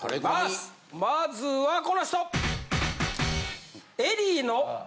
まずはこの人！